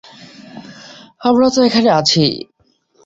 আমরা তো এখানে আছি।